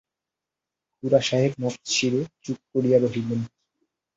খুড়াসাহেব নতশিরে চুপ করিয়া রহিলেন।